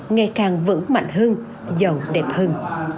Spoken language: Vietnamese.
ngày càng vững mạnh hơn giàu đẹp hơn